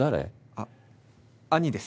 あっ兄です。